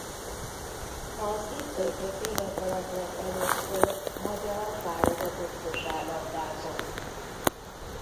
Az itt töltött évek alatt lett először magyar válogatott kosárlabdázó.